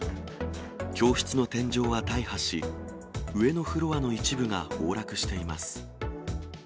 教室の天井は大破し、上のフロアの一部が崩落しています。